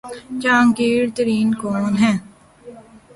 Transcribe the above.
جہانگیر ترین کون ہیں؟